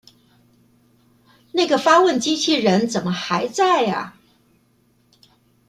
那個發問機器人怎麼還在阿